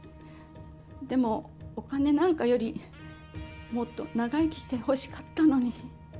でもお金なんかよりもっと長生きしてほしかったのに。